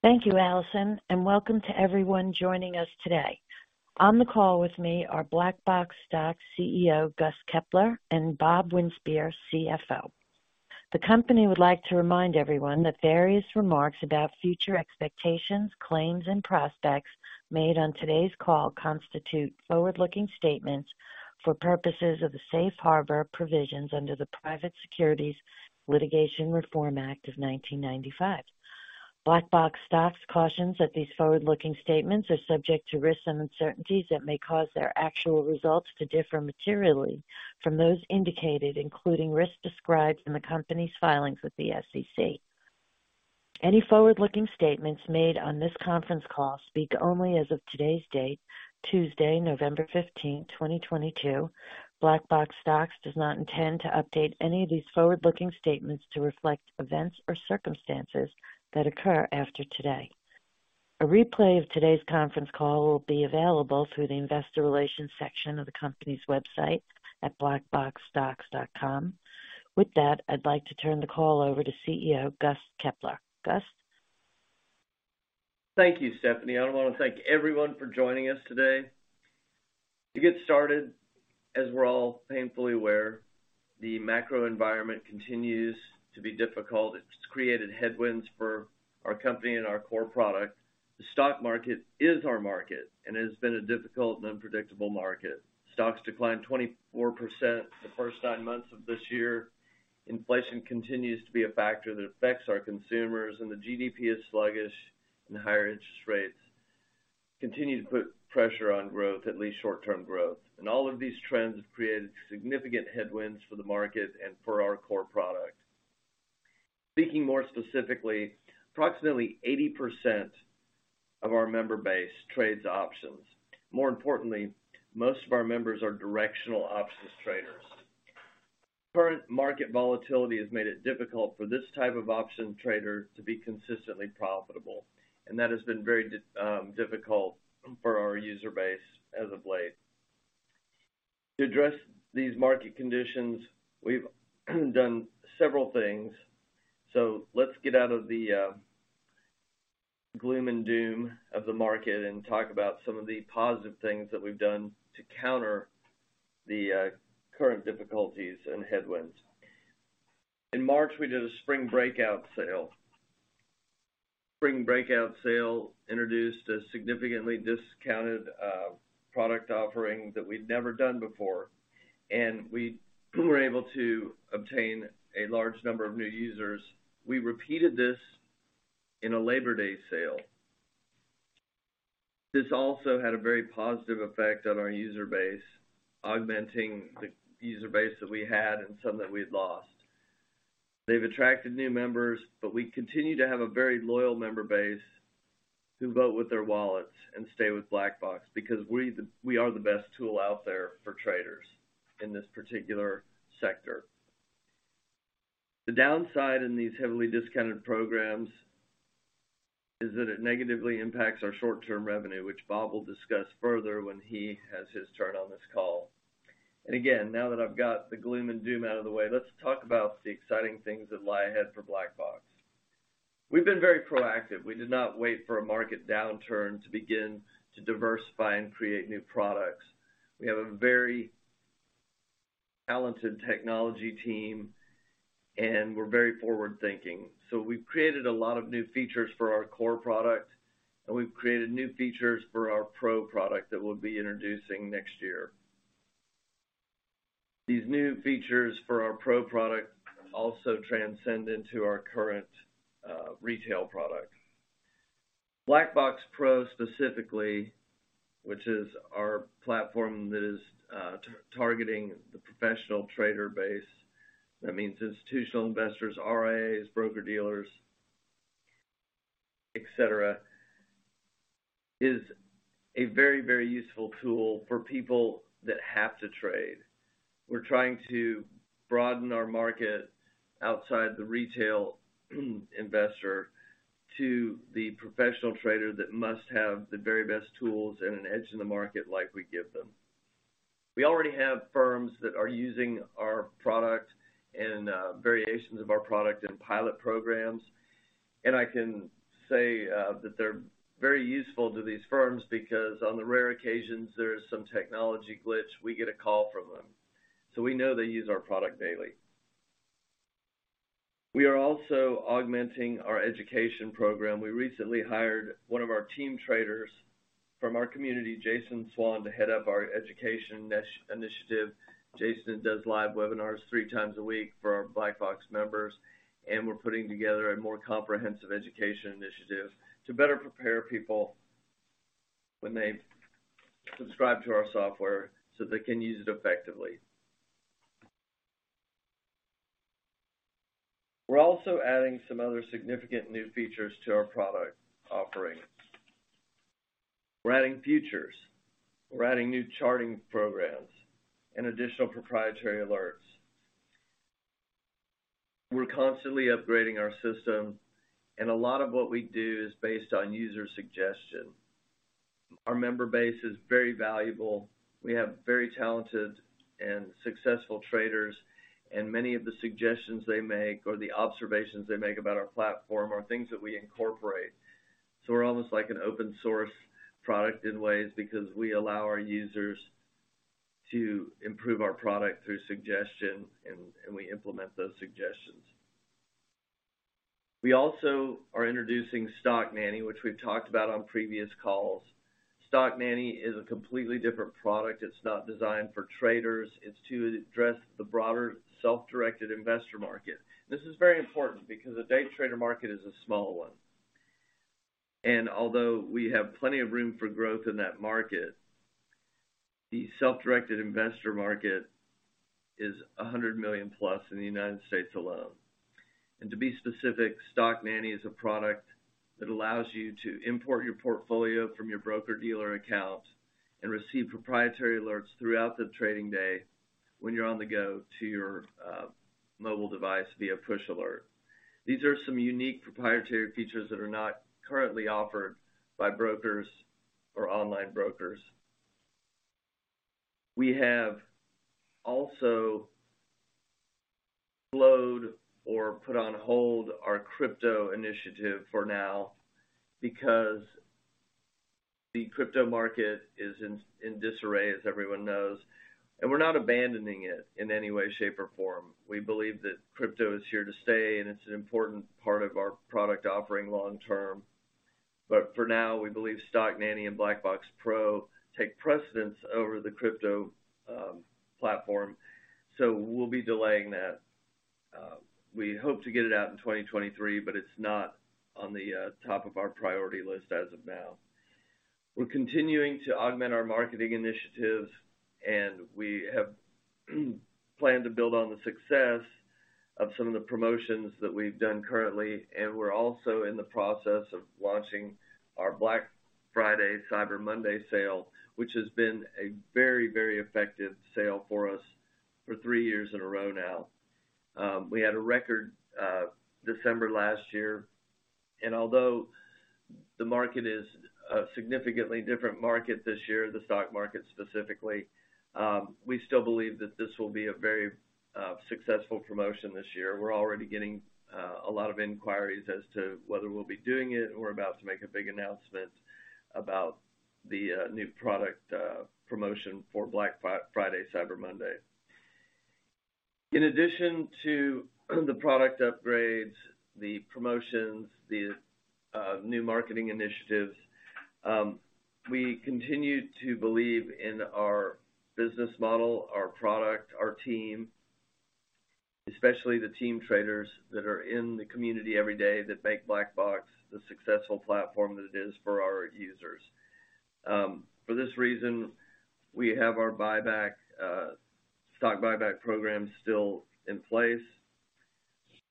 Thank you, Allison, and welcome to everyone joining us today. On the call with me are Blackboxstocks' CEO, Gust Kepler, and Bob Winspear, CFO. The company would like to remind everyone that various remarks about future expectations, claims, and prospects made on today's call constitute forward-looking statements for purposes of the safe harbor provisions under the Private Securities Litigation Reform Act of 1995. Blackboxstocks cautions that these forward-looking statements are subject to risks and uncertainties that may cause their actual results to differ materially from those indicated, including risks described in the company's filings with the SEC. Any forward-looking statements made on this conference call speak only as of today's date, Tuesday, November 15, 2022. Blackboxstocks does not intend to update any of these forward-looking statements to reflect events or circumstances that occur after today. A replay of today's conference call will be available through the investor relations section of the company's website at blackboxstocks.com. With that, I'd like to turn the call over to CEO Gust Kepler. Gust? Thank you, Stephanie. I want to thank everyone for joining us today. To get started, as we're all painfully aware, the macro environment continues to be difficult. It's created headwinds for our company and our core product. The stock market is our market, and it has been a difficult and unpredictable market. Stocks declined 24% the first nine months of this year. Inflation continues to be a factor that affects our consumers, and the GDP is sluggish, and higher interest rates continue to put pressure on growth, at least short-term growth. All of these trends have created significant headwinds for the market and for our core product. Speaking more specifically, approximately 80% of our member base trades options. More importantly, most of our members are directional options traders. Current market volatility has made it difficult for this type of option trader to be consistently profitable, and that has been very difficult for our user base as of late. To address these market conditions, we've done several things. Let's get out of the gloom and doom of the market and talk about some of the positive things that we've done to counter the current difficulties and headwinds. In March, we did a spring breakout sale. Spring breakout sale introduced a significantly discounted product offering that we'd never done before, and we were able to obtain a large number of new users. We repeated this in a Labor Day sale. This also had a very positive effect on our user base, augmenting the user base that we had and some that we'd lost. They've attracted new members, but we continue to have a very loyal member base who vote with their wallets and stay with BlackBox because we are the best tool out there for traders in this particular sector. The downside in these heavily discounted programs is that it negatively impacts our short-term revenue, which Bob will discuss further when he has his turn on this call. Again, now that I've got the gloom and doom out of the way, let's talk about the exciting things that lie ahead for BlackBox. We've been very proactive. We did not wait for a market downturn to begin to diversify and create new products. We have a very talented technology team, and we're very forward-thinking. We've created a lot of new features for our core product, and we've created new features for our Pro product that we'll be introducing next year. These new features for our Pro product also transcend into our current retail product. Blackbox Pro specifically, which is our platform that is targeting the professional trader base, that means institutional investors, RIAs, broker-dealers, et cetera, is a very, very useful tool for people that have to trade. We're trying to broaden our market outside the retail investor to the professional trader that must have the very best tools and an edge in the market like we give them. We already have firms that are using our product and variations of our product in pilot programs, and I can say that they're very useful to these firms because, on the rare occasions there is some technology glitch, we get a call from them. We know they use our product daily. We are also augmenting our education program. We recently hired one of our team traders from our community, Jason Swan, to head up our education initiative. Jason does live webinars three times a week for our BlackBox members, and we're putting together a more comprehensive education initiative to better prepare people when they subscribe to our software so they can use it effectively. We're also adding some other significant new features to our product offerings. We're adding futures, we're adding new charting programs, and additional proprietary alerts. We're constantly upgrading our system, and a lot of what we do is based on user suggestions. Our member base is very valuable. We have very talented and successful traders, and many of the suggestions they make or the observations they make about our platform are things that we incorporate. We're almost like an open source product in ways because we allow our users to improve our product through suggestions, and we implement those suggestions. We also are introducing Stock Nanny, which we've talked about on previous calls. Stock Nanny is a completely different product. It's not designed for traders. It's to address the broader self-directed investor market. This is very important because the day trader market is a small one, and although we have plenty of room for growth in that market, the self-directed investor market is 100+ million in the United States alone. To be specific, Stock Nanny is a product that allows you to import your portfolio from your broker-dealer account and receive proprietary alerts throughout the trading day when you're on the go to your mobile device via push alert. These are some unique proprietary features that are not currently offered by brokers or online brokers. We have also slowed or put on hold our crypto initiative for now because the crypto market is in disarray, as everyone knows, and we're not abandoning it in any way, shape, or form. We believe that crypto is here to stay, and it's an important part of our product offering long-term. For now, we believe Stock Nanny and Blackbox Pro take precedence over the crypto platform, so we'll be delaying that. We hope to get it out in 2023, but it's not on the top of our priority list as of now. We're continuing to augment our marketing initiatives, and we have planned to build on the success of some of the promotions that we've done currently, and we're also in the process of launching our Black Friday / Cyber Monday sale, which has been a very, very effective sale for us for three years in a row now. We had a record December last year, and although the market is a significantly different market this year, the stock market specifically, we still believe that this will be a very successful promotion this year. We're already getting a lot of inquiries as to whether we'll be doing it. We're about to make a big announcement about the new product promotion for Black Friday / Cyber Monday. In addition to the product upgrades, the promotions, the new marketing initiatives, we continue to believe in our business model, our product, our team, especially the team traders that are in the community every day that make BlackBox the successful platform that it is for our users. For this reason, we have our stock buyback program still in place.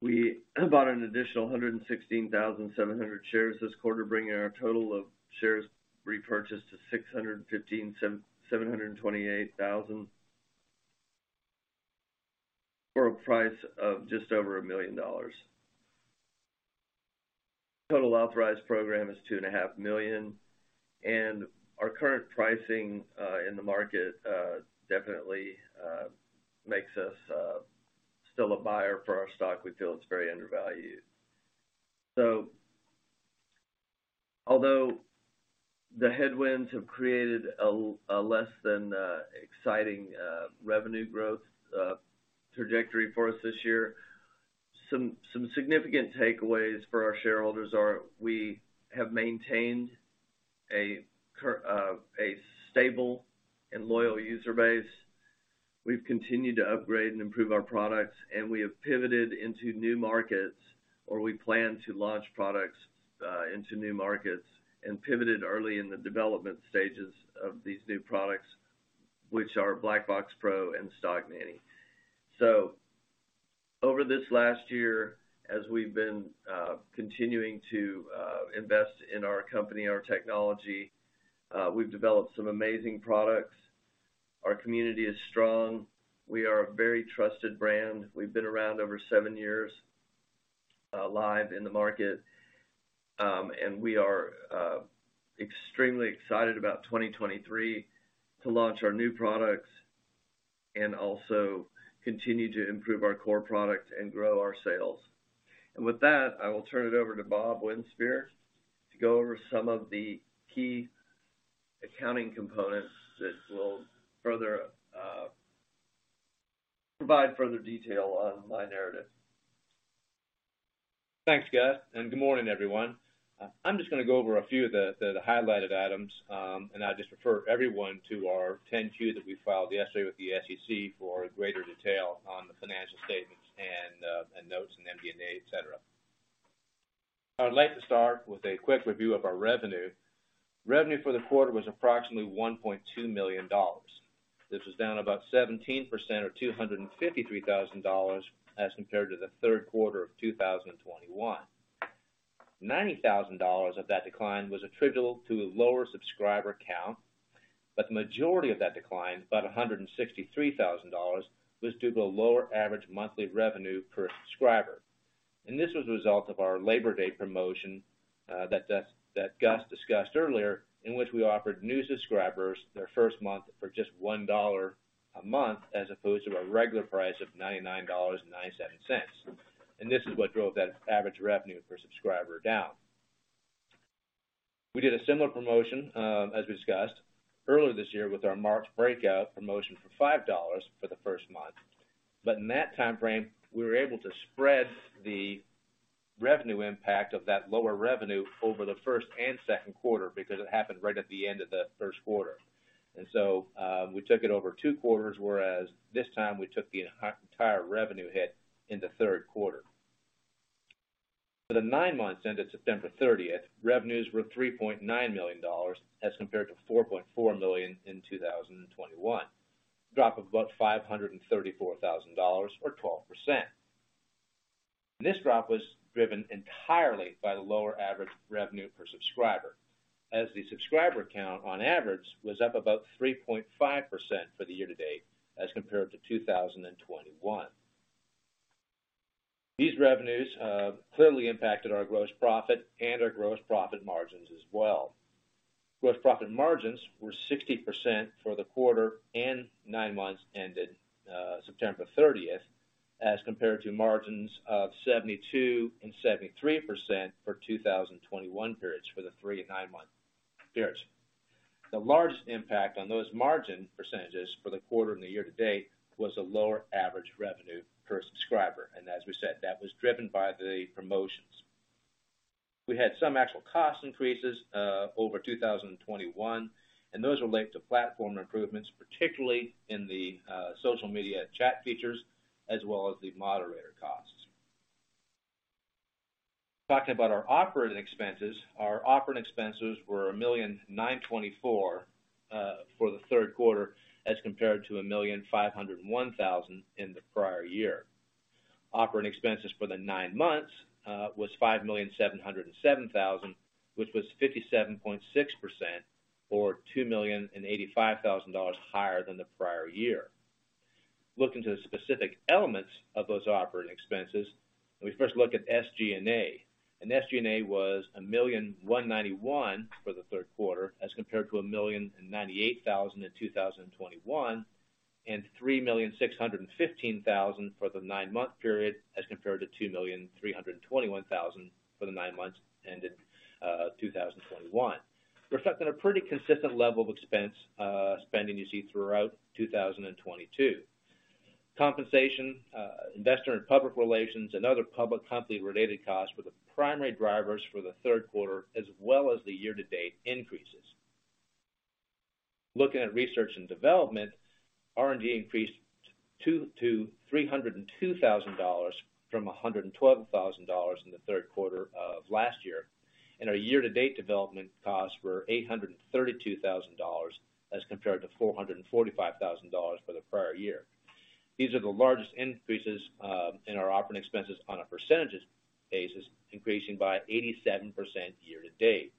We bought an additional 116,700 shares this quarter, bringing our total of shares repurchased to 615,728 for a price of just over $1 million. Total authorized program is 2.5 million, and our current pricing in the market definitely makes us still a buyer for our stock. We feel it's very undervalued. Although the headwinds have created a less-than-exciting revenue growth trajectory for us this year, some significant takeaways for our shareholders are we have maintained a stable and loyal user base. We've continued to upgrade and improve our products, and we have pivoted into new markets, or we plan to launch products into new markets, and pivoted early in the development stages of these new products, which are Blackbox Pro and Stock Nanny. Over this last year, as we've been continuing to invest in our company, our technology, we've developed some amazing products. Our community is strong. We are a very trusted brand. We've been around over seven years live in the market. We are extremely excited about 2023 to launch our new products and also continue to improve our core products and grow our sales. With that, I will turn it over to Bob Winspear to go over some of the key accounting components that will further provide further detail on my narrative. Thanks, Gust, and good morning, everyone. I'm just gonna go over a few of the highlighted items, and I just refer everyone to our 10-Q that we filed yesterday with the SEC for greater detail on the financial statements and notes and MD&A, et cetera. I would like to start with a quick review of our revenue. Revenue for the quarter was approximately $1.2 million. This was down about 17% or $253,000 as compared to the third quarter of 2021. $90,000 of that decline was attributable to a lower subscriber count. The majority of that decline, about $163,000, was due to a lower average monthly revenue per subscriber. This was a result of our Labor Day promotion that Gust discussed earlier, in which we offered new subscribers their first month for just $1 a month, as opposed to a regular price of $99.97. This is what drove that average revenue per subscriber down. We did a similar promotion, as we discussed, earlier this year, with our March breakout promotion for $5 for the first month. In that timeframe, we were able to spread the revenue impact of that lower revenue over the first and second quarters because it happened right at the end of the first quarter. We took it over two quarters, whereas this time we took the entire revenue hit in the third quarter. For the nine months ended September 13th, revenues were $3.9 million as compared to $4.4 million in 2021, a drop of about $534,000 or 12%. This drop was driven entirely by the lower average revenue per subscriber, as the subscriber count on average was up about 3.5% for the year-to-date as compared to 2021. These revenues clearly impacted our gross profit and our gross profit margins as well. Gross profit margins were 60% for the quarter and nine months ended September 13th, as compared to margins of 72% and 73% for 2021 periods for the three and nine-month periods. The largest impact on those margin percentages for the quarter and the year to date was a lower average revenue per subscriber. As we said, that was driven by the promotions. We had some actual cost increases over 2021, and those relate to platform improvements, particularly in the social media chat features as well as the moderator costs. Talking about our operating expenses, our operating expenses were $1.924 million for the third quarter, as compared to $1.501 million in the prior year. Operating expenses for the nine months were $5.707 million, which was 57.6% or $2.085 million higher than the prior year. Looking to the specific elements of those operating expenses, we first look at SG&A, and SG&A was $1,091,000 for the third quarter as compared to $1,098,000 in 2021, and $3,615,000 for the nine-month period as compared to $2,321,000 for the nine months ended 2021. Reflecting a pretty consistent level of expense spending, you see throughout 2022. Compensation, investor and public relations, and other public company-related costs were the primary drivers for the third quarter as well as the year-to-date increases. Looking at research and development, R&D increased to $302,000 from $112,000 in the third quarter of last year. Our year-to-date development costs were $832,000 as compared to $445,000 for the prior year. These are the largest increases in our operating expenses on a percentage basis, increasing by 87% year-to-date.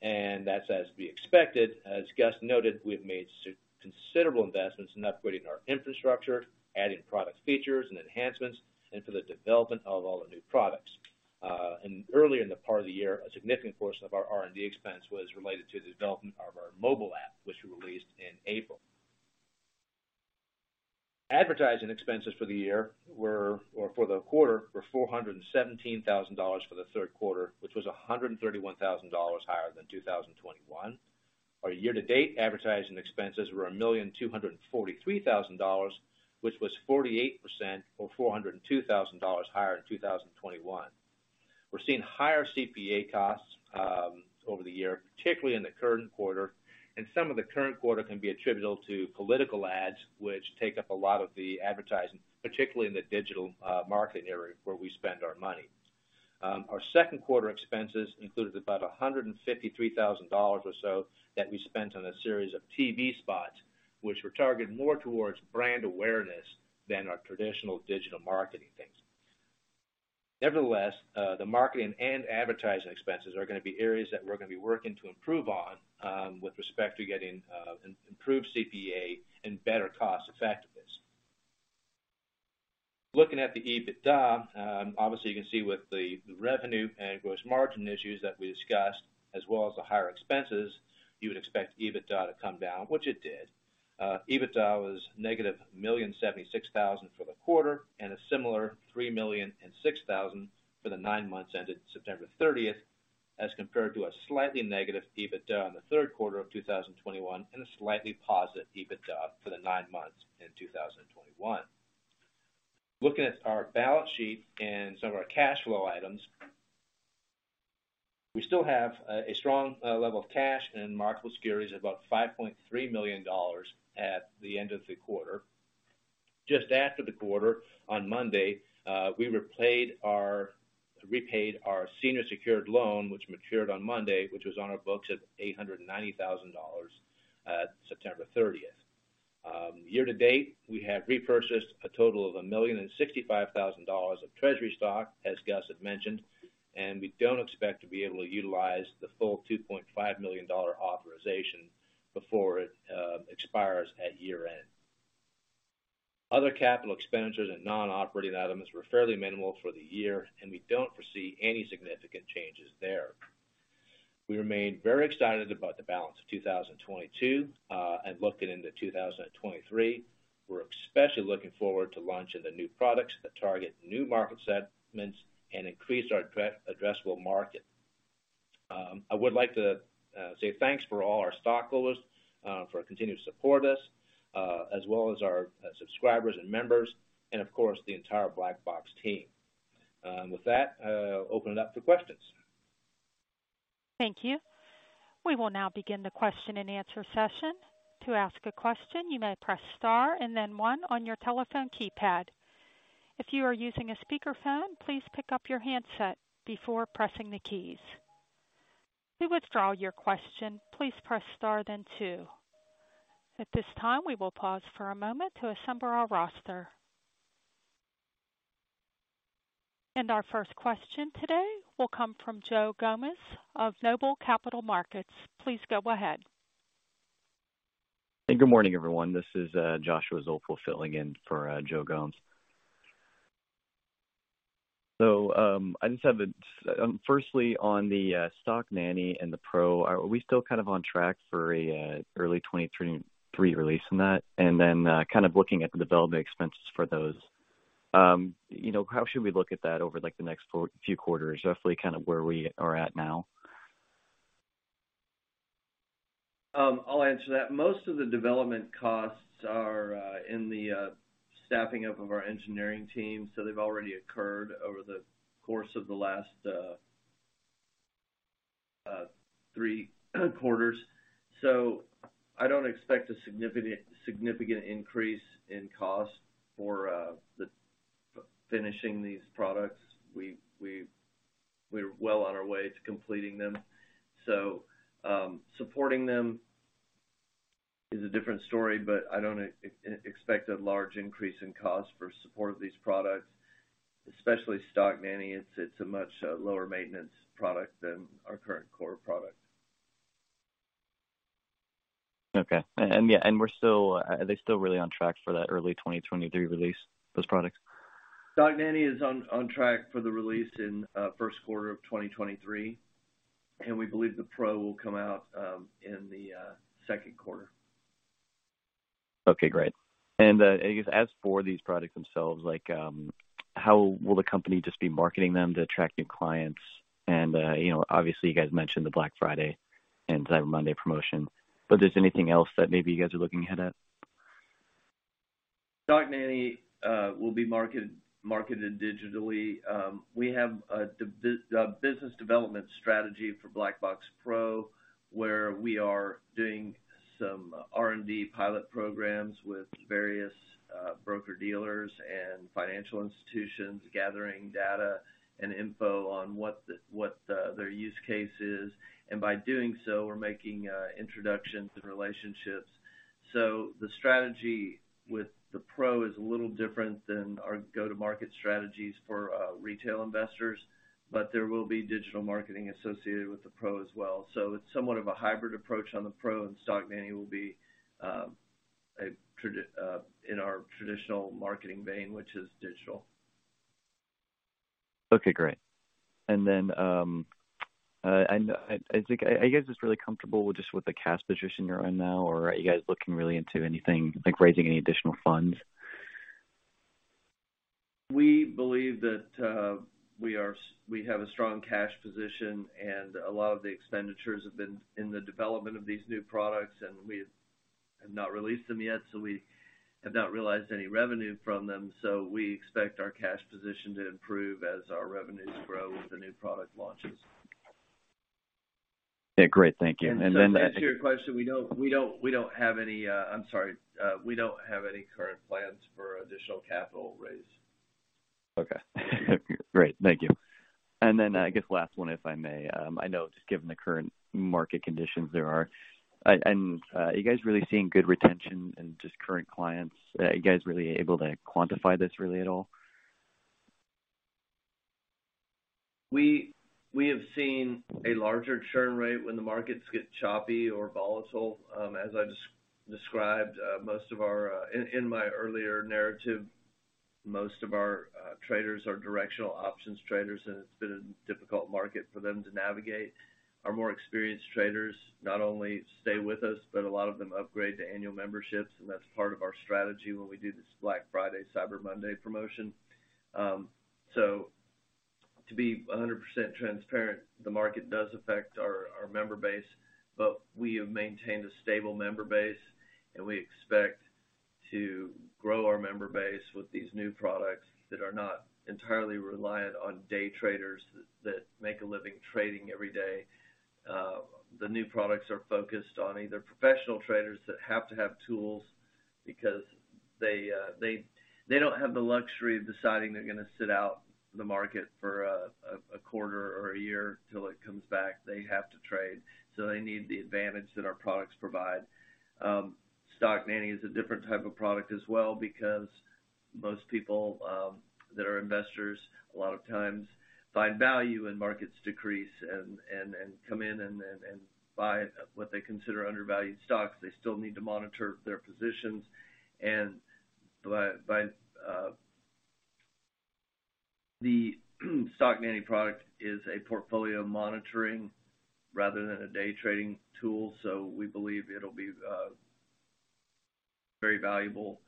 That's as we expected. As Gust noted, we've made considerable investments in upgrading our infrastructure, adding product features and enhancements, and for the development of all the new products. Early in the part of the year, a significant portion of our R&D expense was related to the development of our mobile app, which we released in April. Advertising expenses for the quarter were $417,000 for the third quarter, which was $131,000 higher than 2021. Our year-to-date advertising expenses were $1,243,000, which was 48% or $402,000 higher in 2021. We're seeing higher CPA costs over the year, particularly in the current quarter, and some of the current quarter can be attributable to political ads, which take up a lot of the advertising, particularly in the digital marketing area where we spend our money. Our second quarter expenses included about $153,000 or so that we spent on a series of TV spots, which were targeted more towards brand awareness than our traditional digital marketing things. Nevertheless, the marketing and advertising expenses are gonna be areas that we're gonna be working to improve on with respect to getting improved CPA and better cost effectiveness. Looking at the EBITDA, obviously, you can see with the revenue and gross margin issues that we discussed, as well as the higher expenses, you would expect EBITDA to come down, which it did. EBITDA was $-1,076,000 for the quarter and a similar $3,006,000 for the nine months ended September 30th, as compared to a slightly negative EBITDA in the third quarter of 2021 and a slightly positive EBITDA for the nine months in 2021. Looking at our balance sheet and some of our cash flow items, we still have a strong level of cash and marketable securities of about $5.3 million at the end of the quarter. Just after the quarter on Monday, we repaid our senior secured loan, which matured on Monday, which was on our books at $890,000 at September 30th. Year to date, we have repurchased a total of $1,065,000 of treasury stock, as Gust had mentioned, and we don't expect to be able to utilize the full $2.5 million authorization before it expires at year-end. Other capital expenditures and non-operating items were fairly minimal for the year, and we don't foresee any significant changes there. We remain very excited about the balance of 2022 and looking into 2023. We're especially looking forward to launching the new products that target new market segments and increase our total addressable market. I would like to say thanks to all our stockholders for continuing to support us, as well as our subscribers and members, and of course, the entire BlackBox team. With that, open it up for questions. Thank you. We will now begin the question and answer session. To ask a question, you may press Star and then one on your telephone keypad. If you are using a speaker phone, please pick up your handset before pressing the keys. To withdraw your question, please press Star then two. At this time, we will pause for a moment to assemble our roster. Our first question today will come from Joe Gomes of Noble Capital Markets. Please go ahead. Hey, good morning, everyone. This is Joshua Zoepfel filling in for Joe Gomes. I just have a firstly, on the Stock Nanny and the Pro, are we still kind of on track for an early 2023 release in that? And then, kind of looking at the development expenses for those, you know, how should we look at that over, like, the next few quarters, roughly kind of where we are at now? I'll answer that. Most of the development costs are in the staffing up of our engineering team, so they've already occurred over the course of the last three quarters. I don't expect a significant increase in cost for finishing these products. We're well on our way to completing them. Supporting them is a different story, but I don't expect a large increase in cost for support of these products, especially Stock Nanny. It's a much lower-maintenance product than our current core product. Are they still really on track for that early 2023 release, those products? Stock Nanny is on track for the release in first quarter of 2023, and we believe the Pro will come out in the second quarter. Okay, great. I guess as for these products themselves, like, how will the company just be marketing them to attract new clients? You know, obviously you guys mentioned the Black Friday and Cyber Monday promotion, but there's anything else that maybe you guys are looking ahead at? Stock Nanny will be marketed digitally. We have a business development strategy for BlackBox Pro, where we are doing some R&D pilot programs with various broker-dealers and financial institutions, gathering data and info on what their use case is, and by doing so, we're making introductions and relationships. The strategy with the Pro is a little different than our go-to-market strategies for retail investors, but there will be digital marketing associated with the Pro as well. It's somewhat of a hybrid approach on the Pro, and Stock Nanny will be in our traditional marketing vein, which is digital. Okay, great. I think, are you guys just really comfortable with the cash position you're in now, or are you guys looking really into anything, like, raising any additional funds? We believe that we have a strong cash position, and a lot of the expenditures have been in the development of these new products, and we have not released them yet, so we have not realized any revenue from them, so we expect our cash position to improve as our revenues grow with the new product launches. Yeah, great. Thank you. To answer your question, we don't have any current plans for additional capital raise. Okay. Great. Thank you. I guess last one, if I may. I know just given the current market conditions there are. Are you guys really seeing good retention in just current clients? Are you guys really able to quantify this really at all? We have seen a larger churn rate when the markets get choppy or volatile. As I described, most of our traders are directional options traders, and it's been a difficult market for them to navigate. Our more experienced traders not only stay with us, but a lot of them upgrade to annual memberships, and that's part of our strategy when we do this Black Friday / Cyber Monday promotion. To be 100% transparent, the market does affect our member base, but we have maintained a stable member base, and we expect to grow our member base with these new products that are not entirely reliant on day traders that make a living trading every day. The new products are focused on either professional traders that have to have tools because they don't have the luxury of deciding they're gonna sit out the market for a quarter or a year till it comes back. They have to trade, so they need the advantage that our products provide. Stock Nanny is a different type of product as well because most people that are investors, a lot of times, find value in market decreases and come in and buy what they consider undervalued stocks. They still need to monitor their positions. The Stock Nanny product is a portfolio monitoring rather than a day trading tool. We believe it'll be very valuable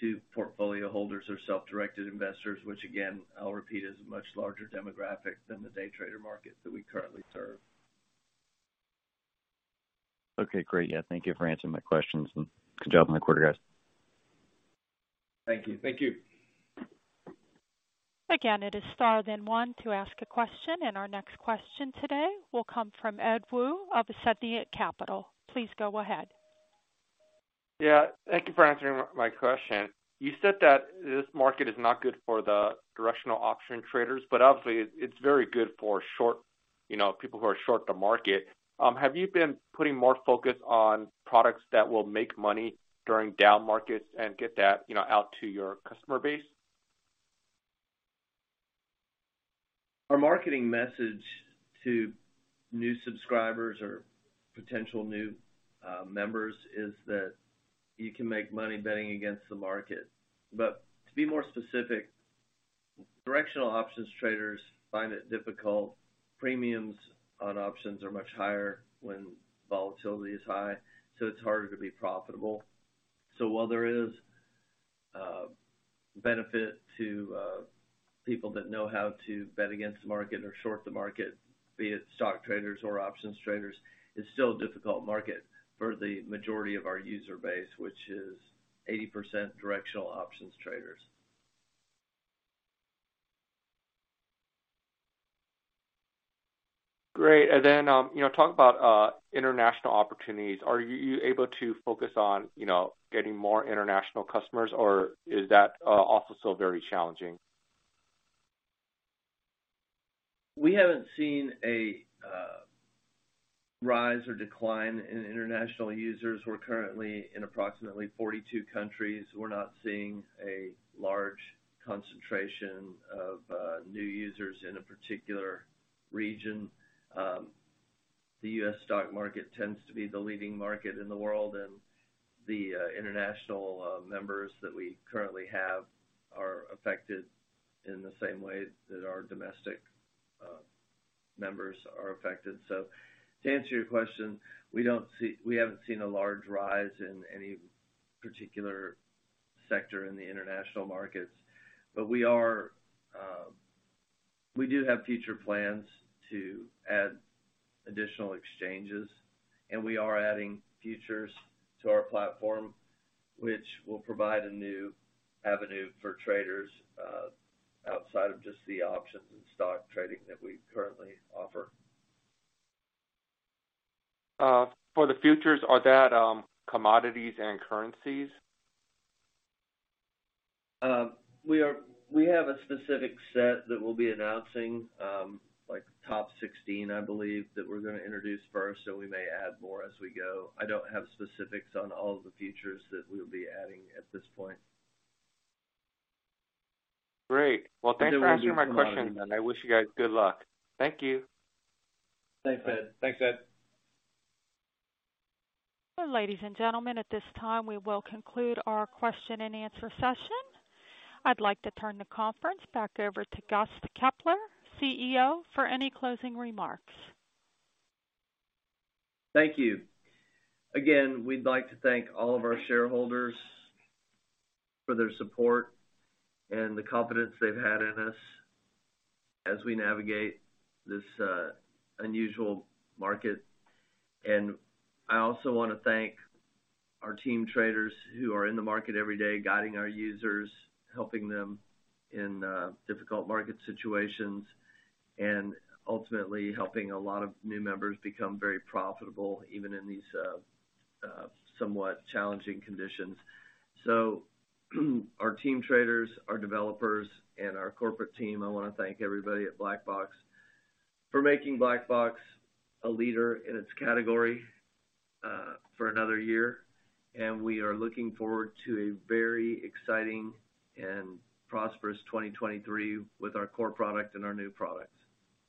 to portfolio holders or self-directed investors, which again, I'll repeat, is a much larger demographic than the day trader market that we currently serve. Okay, great. Yeah, thank you for answering my questions, and good job on the quarter, guys. Thank you. Thank you. Again, it is star then one to ask a question, and our next question today will come from Ed Woo of Ascendiant Capital. Please go ahead. Yeah. Thank you for answering my question. You said that this market is not good for the directional option traders, but obviously, it's very good for short, you know, people who are short the market. Have you been putting more focus on products that will make money during down markets and get that, you know, out to your customer base? Our marketing message to new subscribers or potential new members is that you can make money betting against the market. To be more specific, directional options traders find it difficult. Premiums on options are much higher when volatility is high, so it's harder to be profitable. While there is benefit to people that know how to bet against the market or short the market, be it stock traders or options traders, it's still a difficult market for the majority of our user base, which is 80% directional options traders. Great. You know, talk about international opportunities. Are you able to focus on, you know, getting more international customers, or is that also still very challenging? We haven't seen a rise or decline in international users. We're currently in approximately 42 countries. We're not seeing a large concentration of new users in a particular region. The US stock market tends to be the leading market in the world, and the international members that we currently have are affected in the same way that our domestic members are affected. To answer your question, we haven't seen a large rise in any particular sector in the international markets. We do have future plans to add additional exchanges, and we are adding futures to our platform, which will provide a new avenue for traders outside of just the options and stock trading that we currently offer. For the futures, are they commodities and currencies? We have a specific set that we'll be announcing, like top 16, I believe, that we're gonna introduce first, so we may add more as we go. I don't have specifics on all of the features that we'll be adding at this point. Great. Well, thanks for answering my question, and I wish you guys good luck. Thank you. Thanks, Ed. Thanks, Ed. Ladies and gentlemen, at this time, we will conclude our question-and-answer session. I'd like to turn the conference back over to Gust Kepler, CEO, for any closing remarks. Thank you. Again, we'd like to thank all of our shareholders for their support and the confidence they've had in us as we navigate this unusual market. I also wanna thank our team traders who are in the market every day, guiding our users, helping them in difficult market situations, and ultimately helping a lot of new members become very profitable, even in these somewhat challenging conditions. Our team traders, our developers, and our corporate team, I wanna thank everybody at BlackBox for making BlackBox a leader in its category for another year. We are looking forward to a very exciting and prosperous 2023 with our core product and our new products.